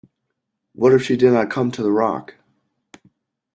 What if she did not come to the rock.